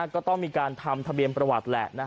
ก็ต้องมีการทำทะเบียนประวัติแหละ